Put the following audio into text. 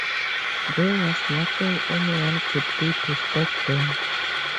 There was nothing anyone could do to stop them.